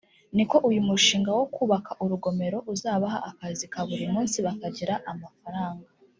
ni uko uyu mushinga wo kubaka urugomero uzabaha akazi ka buri munsi bakagira amafaranga